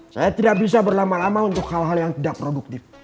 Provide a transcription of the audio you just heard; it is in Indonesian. saya tidak bisa berlama lama untuk hal hal yang tidak produktif